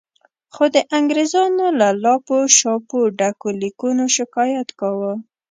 خو د انګریزانو له لاپو شاپو ډکو لیکونو شکایت کاوه.